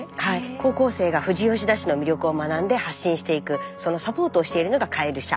高校生が富士吉田市の魅力を学んで発信していくそのサポートをしているのがかえる舎。